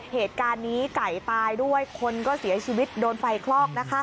เหตุการณ์นี้ไก่ตายด้วยคนก็เสียชีวิตโดนไฟคลอก